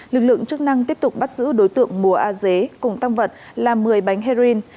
lực lượng chức năng tiếp tục bắt giữ đối tượng mùa a dế cùng tăng vật là một mươi bánh heroin